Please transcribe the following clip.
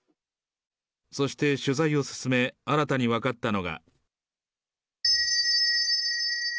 そして、取材を進め、新たに分かったのが。